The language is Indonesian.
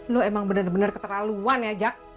lo emang bener bener keterlaluan ya jack